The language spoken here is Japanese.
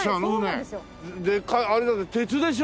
でっかいあれだって鉄でしょ？